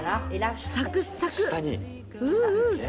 サクッサク！